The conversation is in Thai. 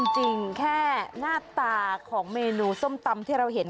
จริงแค่หน้าตาของเมนูส้มตำที่เราเห็น